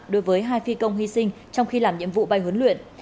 đối với hai phi công hy sinh trong khi làm nhiệm vụ bay huấn luyện